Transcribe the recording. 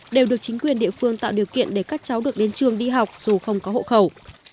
đều được chính quyền địa phương tạo điều kiện để các cháu được đến trường đi học dù không có hộ khẩu